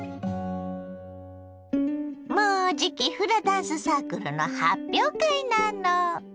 もうじきフラダンスサークルの発表会なの。